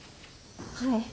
はい。